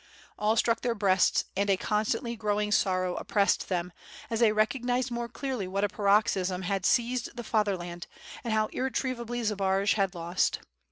All struck their breasts and a constantly growing sorrow oppressed them, as they recognized more clearly what a paroxysm had seized the Fatherland and how irretrievably Zbaraj had lost.